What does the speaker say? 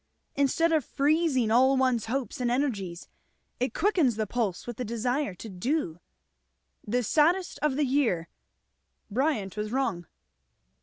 Instead of freezing all one's hopes and energies, it quickens the pulse with the desire to do. 'The saddest of the year' Bryant was wrong."